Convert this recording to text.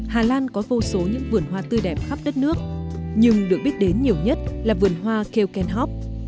hà lan có vô số những vườn hoa tươi đẹp khắp đất nước nhưng được biết đến nhiều nhất là vườn hoa kjelkenhof